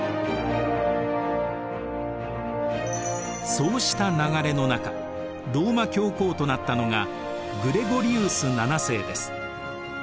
そうした流れの中ローマ教皇となったのがグレゴリウス７世です。